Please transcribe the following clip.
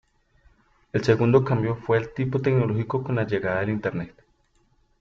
El segundo cambio fue de tipo tecnológico, con la llegada del Internet.